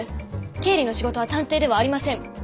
経理の仕事は探偵ではありません。